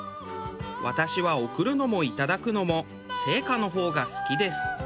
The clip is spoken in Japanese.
私は贈るのもいただくのも生花の方が好きです。